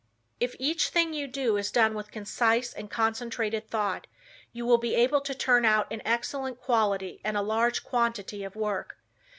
If each thing you do is done with concise and concentrated thought you will be able to turn out an excellent quality and a large quantity of work.